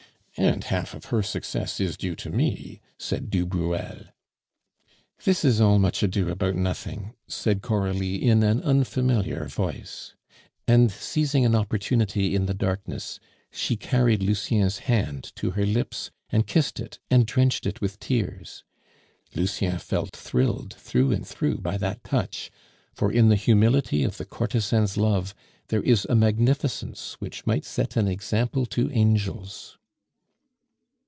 "And half of her success is due to me," said du Bruel. "This is all much ado about nothing," said Coralie in an unfamiliar voice. And, seizing an opportunity in the darkness, she carried Lucien's hand to her lips and kissed it and drenched it with tears. Lucien felt thrilled through and through by that touch, for in the humility of the courtesan's love there is a magnificence which might set an example to angels.